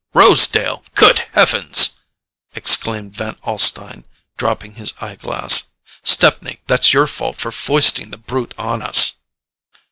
"Rosedale—good heavens!" exclaimed Van Alstyne, dropping his eye glass. "Stepney, that's your fault for foisting the brute on us."